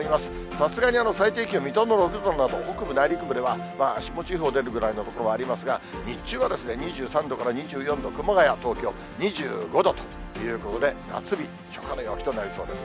さすがに最低気温、水戸の６度など、北部、内陸部では霜注意報出るくらいの所もありますが、日中は２３度から２４度、熊谷、東京２５度ということで、夏日、初夏の陽気となりそうです。